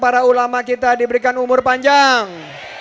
para ulama kita diberikan umur panjang